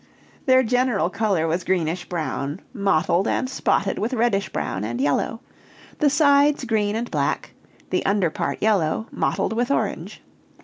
Their general color was greenish brown, mottled and spotted with reddish brown and yellow; the sides green and black; the under part yellow, mottled with orange.